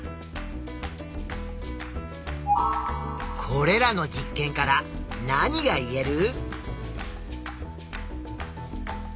これらの実験から何が言える？